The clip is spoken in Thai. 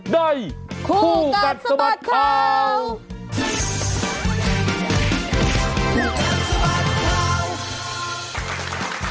ได้คู่กันสมัติเขา